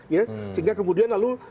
sehingga kemudian lalu